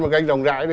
mà ganh rộng rãi